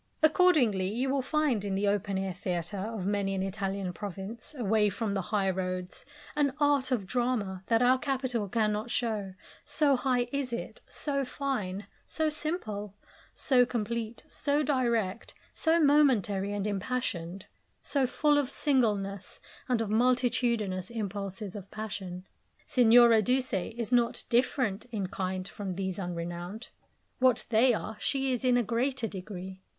Accordingly, you will find in the open air theatre of many an Italian province, away from the high roads, an art of drama that our capital cannot show, so high is it, so fine, so simple, so complete, so direct, so momentary and impassioned, so full of singleness and of multitudinous impulses of passion. Signora Duse is not different in kind from these unrenowned. What they are, she is in a greater degree.